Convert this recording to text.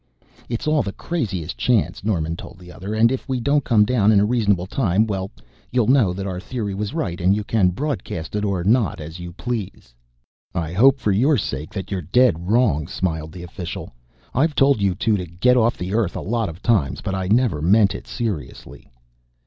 "It's all the craziest chance," Norman told the other. "And if we don't come down in a reasonable time well, you'll know that our theory was right, and you can broadcast it or not as you please." "I hope for your sake that you're dead wrong," smiled the official. "I've told you two to get off the Earth a lot of times, but I never meant it seriously."